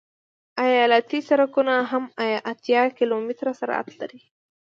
ایالتي سرکونه هم اتیا کیلومتره سرعت لري